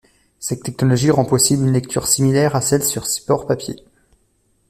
Cette technologie rend possible une lecture similaire à celle sur support papier.